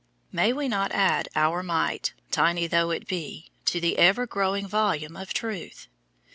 May we not add our mite, tiny though it be, to the ever growing volume of truth?